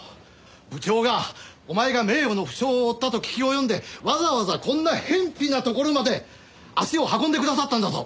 部長がお前が名誉の負傷を負ったと聞き及んでわざわざこんな辺鄙な所まで足を運んでくださったんだぞ！